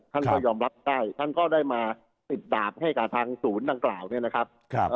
ท่านก็ยอมรับได้ท่านก็ได้มาติดดาบให้กับทางศูนย์ดังกล่าวเนี่ยนะครับ